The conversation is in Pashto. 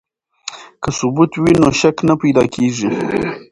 که ثبوت وي نو شک نه پیدا کیږي.